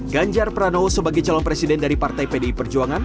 ganjar pranowo sebagai calon presiden dari partai pdi perjuangan